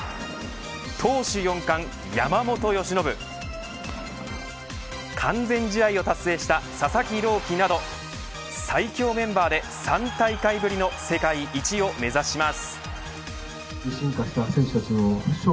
投手４冠、山本由伸完全試合を達成した佐々木朗希など最強メンバーで３大会ぶりの世界一を目指します。